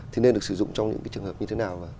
thì nên được sử dụng trong những cái trường hợp như thế nào